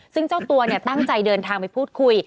ซึ่งเจ้าตัวตั้งใจเดินทางไปพูดคุย